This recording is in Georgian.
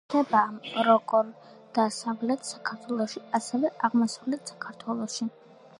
გვხვდება როგორ დასავლეთ საქართველოში, ასევე აღმოსავლეთ საქართველოში.